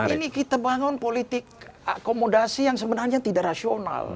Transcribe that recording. ini kita bangun politik akomodasi yang sebenarnya tidak rasional